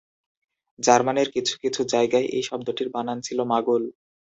জার্মানির কিছু কিছু জায়গায় এই শব্দটির বানান ছিল মাগল।